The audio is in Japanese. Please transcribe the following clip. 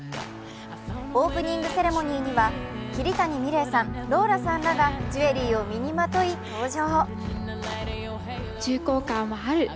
オープニングセレモニーには桐谷美玲さん、ローラさんらがジュエリーを身にまとい、登場。